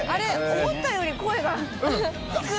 思ったより声が低い。